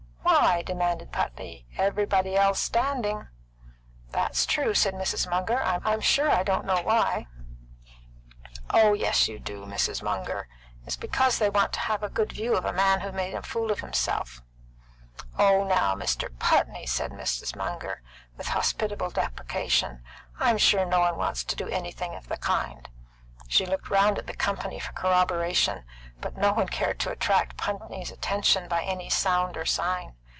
"Why?" demanded Putney. "Everybody else standing." "That's true," said Mrs. Munger. "I'm sure I don't know why " "Oh yes, you do, Mrs. Munger. It's because they want to have a good view of a man who's made a fool of himself " "Oh, now, Mr. Putney!" said Mrs. Munger, with hospitable deprecation. "I'm sure no one wants to do anything of the kind." She looked round at the company for corroboration, but no one cared to attract Putney's attention by any sound or sign.